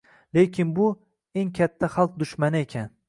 Lekin bu — eng katta xalq dushmani ekan